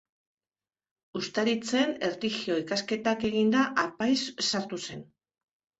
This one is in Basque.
Uztaritzen erlijio-ikasketak eginda, apaiz sartu zen.